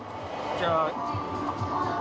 じゃあ。